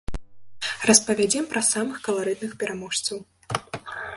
Распавядзем пра самых каларытных пераможцаў.